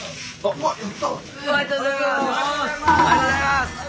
ありがとうございます！